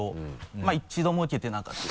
まぁ一度もウケてなかった。